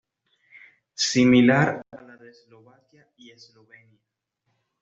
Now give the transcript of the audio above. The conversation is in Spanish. Similar a la de Eslovaquia y Eslovenia.